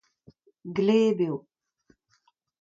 gleb eo.